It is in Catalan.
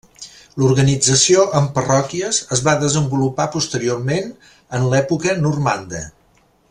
L'organització en parròquies es va desenvolupar posteriorment, en l'època normanda.